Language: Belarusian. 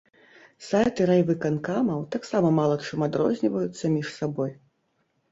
Сайты райвыканкамаў таксама мала чым адрозніваюцца між сабой.